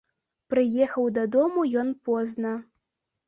Прыехаў дадому ён позна.